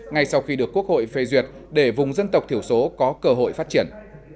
ngay sau khi được quốc hội phê duyệt để vùng dân tộc thiểu số có cơ hội phát triển